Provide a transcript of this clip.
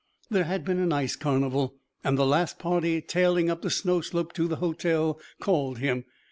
There had been an ice carnival, and the last party, tailing up the snow slope to the hotel, called him.